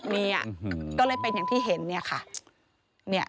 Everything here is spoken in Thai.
นี่ก็เลยเป็นอย่างที่เห็นค่ะ